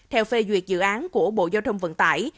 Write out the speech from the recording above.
theo phê duyệt dự án của bộ giao thông vận tải